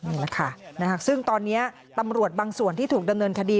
นี่แหละค่ะซึ่งตอนนี้ตำรวจบางส่วนที่ถูกดำเนินคดี